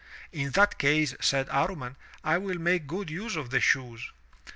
"In that case," said Amman, "I will make good use of the shoes."